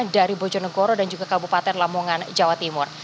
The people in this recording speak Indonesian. dari bojonegoro dan juga kabupaten lamongan jawa timur